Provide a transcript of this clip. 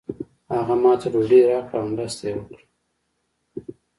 هغه ماته ډوډۍ راکړه او مرسته یې وکړه.